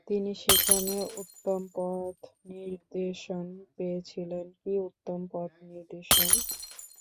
তিনি সেখানে উত্তম পথনির্দেশ পেয়েছিলেন, কী উত্তম পথনির্দেশ!